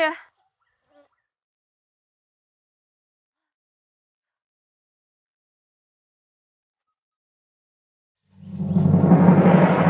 gue harus pulang